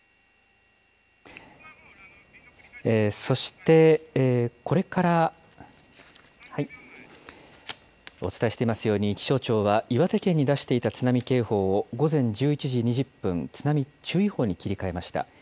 そして、これから、お伝えしていますように、気象庁は岩手県に出していた津波警報を午前１１時２０分、津波注意報に切り替えました。